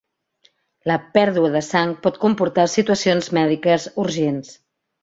La pèrdua de sang pot comportar a situacions mèdiques urgents.